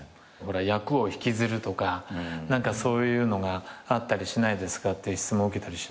役を引きずるとかそういうのがあったりしないですかっていう質問受けたりしない？